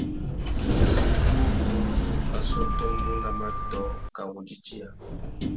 Ukutu uzú a sôtômú nà matōh kā wô didiya.